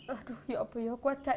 aduh ya ampun ya kuat kak